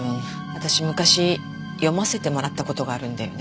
私昔読ませてもらった事があるんだよね。